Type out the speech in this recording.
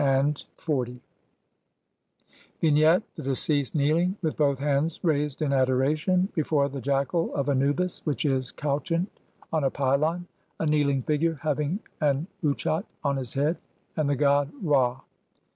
57.] Vignette : The deceased kneeling, with both hands raised in adoration, before the jackal of Anubis which is couchant on a pylon, a kneeling figure having an utchat on his head, and the god Ra.